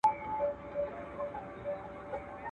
څو بې غیرته قاتلان اوس د قدرت پر ګدۍ.